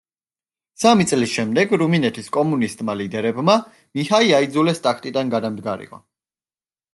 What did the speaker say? სამი წლის შემდეგ რუმინეთის კომუნისტმა ლიდერებმა მიჰაი აიძულეს ტახტიდან გადამდგარიყო.